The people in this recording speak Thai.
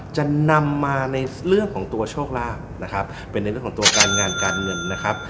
จะนำมาในเรื่องของตัวโชคลาภนะครับเป็นในเรื่องของตัวการงานการเงินนะครับ